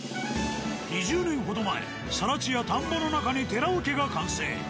２０年ほど前更地や田んぼの中に寺尾家が完成。